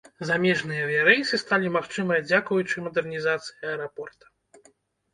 Замежныя авіярэйсы сталі магчымыя дзякуючы мадэрнізацыі аэрапорта.